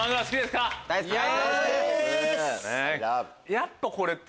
やっぱこれって。